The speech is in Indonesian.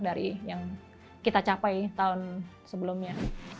dari yang kita capai tahun sebelumnya